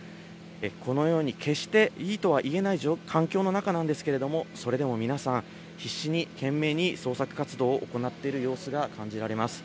このように決していいとはいえない環境の中なんですけれども、それでも皆さん、必死に懸命に捜索活動を行っている様子が感じられます。